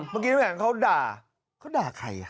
เมื่อกี้มันเห็นเขาด่าเขาด่าใครอ่ะ